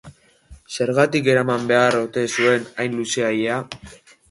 Zergatik eraman behar ote zuen hain luzea ilea?